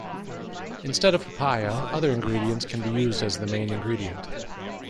Instead of papaya, other ingredients can be used as the main ingredient.